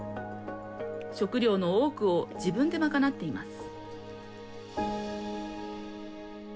食料の多くを自分でまかなっています。